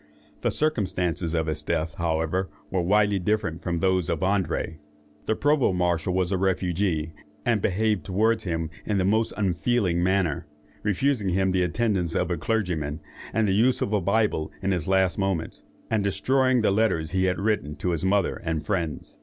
The circumstances of his death, however, were widely different from those of André. The Provost marshal was a refugee, and behaved towards him in the most unfeeling manner, refusing him the attendance of a clergyman, and the use of a Bible in his last moments, and destroying the letters he had written to his mother and friends.